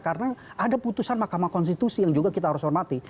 karena ada putusan makamah konstitusi yang juga kita harus hormati